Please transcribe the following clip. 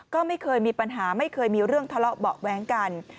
ก็ไม่เคยมีปัญหาไม่เคยมีเรื่องทะเลาะเบาะแว้งกัน